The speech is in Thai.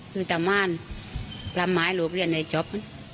คือตาม่านลำไม้หลวงไปเรียนในจอบ